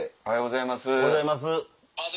おはようございます。